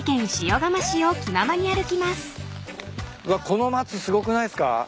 この松すごくないっすか？